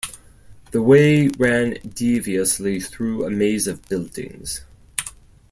The way ran deviously through a maze of buildings.